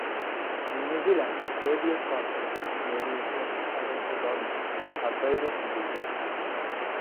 In New Zealand, "habeas corpus" may be invoked against the government or private individuals.